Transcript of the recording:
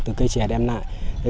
từ cây chè đem lại